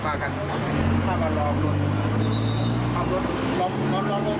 พากันรอบรถรอบรถรอบรถรอบรถคิดว่าเวลาเองเข้ามาในรถทั้งเนี้ย